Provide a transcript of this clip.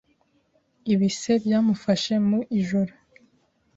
ibise byamufashe mu ijoro